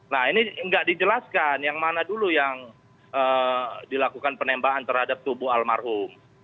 nah ini nggak dijelaskan yang mana dulu yang dilakukan penembakan terhadap tubuh almarhum